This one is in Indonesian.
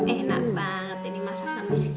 enak banget ini masak miss kiki